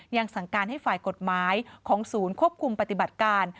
ยังสั่งการให้ฝ่ายกฎหมายของศูนย์ควบคุมปฏิบัติการ